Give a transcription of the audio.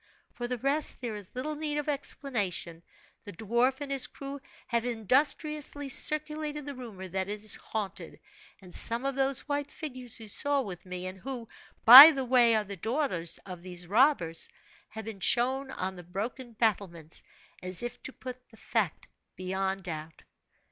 For the rest, there is little need of explanation the dwarf and his crew have industriously circulated the rumor that it is haunted; and some of those white figures you saw with me, and who, by the way, are the daughters of these robbers, have been shown on the broken battlements, as if to put the fact beyond doubt.